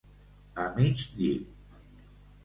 A mig dir.